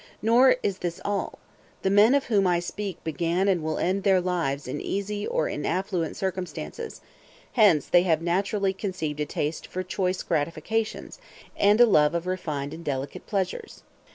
Nor is this all: the men of whom I speak began and will end their lives in easy or in affluent circumstances; hence they have naturally conceived a taste for choice gratifications, and a love of refined and delicate pleasures.